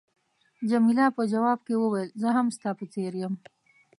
جميله په ځواب کې وویل، زه هم ستا په څېر یم.